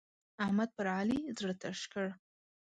احمد پر علي زړه تش کړ.